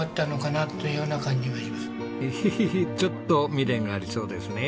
ヘヘヘヘちょっと未練がありそうですね。